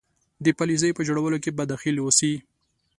د پالیسیو په جوړولو کې به دخیل اوسي.